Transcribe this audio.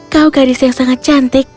kau gadis yang sangat cantik